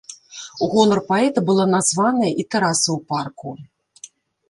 У гонар паэта была названая і тэраса ў парку.